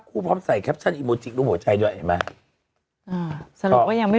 คู่พร้อมใส่อีโมจิลูกหัวชายด้วยมาอ่าสรุปว่ายังไม่